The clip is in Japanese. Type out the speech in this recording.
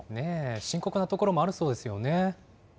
深刻なところもあるそうですよね。